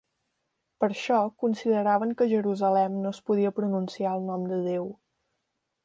Per això consideraven que a Jerusalem no es podia pronunciar el nom de Déu.